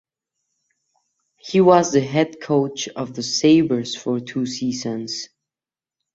He was the head coach of the Sabres for two seasons.